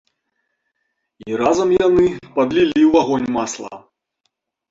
І разам яны падлілі ў агонь масла.